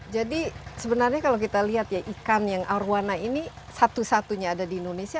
jadi sebenarnya kalau kita lihat ya ikan yang arowana ini satu satunya ada di indonesia